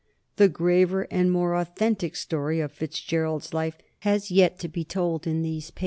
The graver and more authentic story of Fitzgerald's life has yet to be told in these pages.